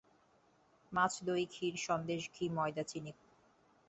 মাছ দই ক্ষীর সন্দেশ ঘি ময়দা চিনি খুব শোরগোল করে আমদানি।